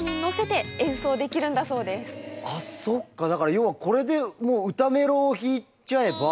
あっそっかだから要はこれでもう歌メロを弾いちゃえば。